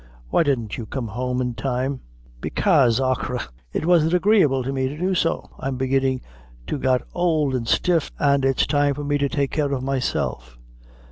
Why didn't you come home in time?" "Bekaise, achora, it wasn't agreeable to me to do so. I'm beginnin' to got ould an' stiff, an' its time for me to take care of myself."